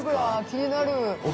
気になる。